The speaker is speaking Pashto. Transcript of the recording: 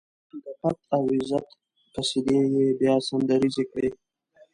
د پت او عزت قصيدې يې بيا سندريزې کړې.